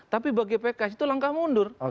tapi bagi pks itu langkah mundur